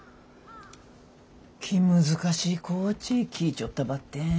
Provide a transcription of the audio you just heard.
気難しい子っち聞いちょったばってん。